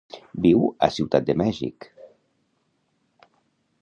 Viu a Ciutat de Mèxic.